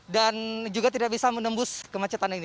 juga tidak bisa menembus kemacetan ini